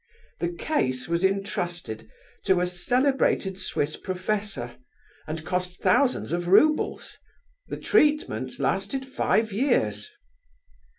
The case was entrusted to a celebrated Swiss professor, and cost thousands of roubles; the treatment lasted five years.